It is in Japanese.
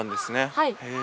はい。